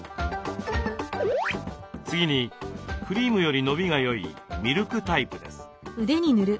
次にクリームより伸びが良いミルクタイプです。